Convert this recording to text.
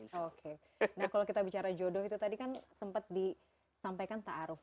nah kalau kita bicara jodoh itu tadi kan sempat disampaikan ta'aruf